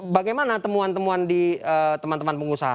bagaimana temuan temuan di teman teman pengusaha